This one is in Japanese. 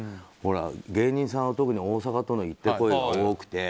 芸人さんは特に大阪と行ったり来たりが多くて。